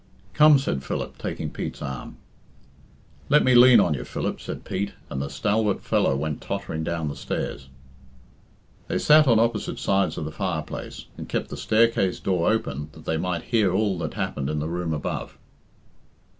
"Come," said Philip, taking Pete's arm. "Let me lean on you, Philip," said Pete, and the stalwart fellow went tottering down the stairs. They sat on opposite sides of the fireplace, and kept the staircase door open that they might hear all that happened in the room above.